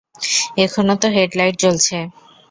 এখনও তো হেডলাইট জ্বলছে।